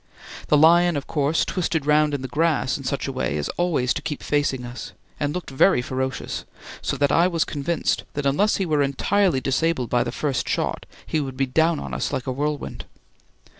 The lion of course twisted round in the grass in such a way as always to keep facing us, and looked very ferocious, so that I was convinced that unless he were entirely disabled by the first shot he would be down on us like a whirlwind.